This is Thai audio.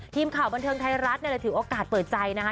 ทีมข่าวบันเทิงไทยรัฐถือโอกาสเปิดใจนะคะ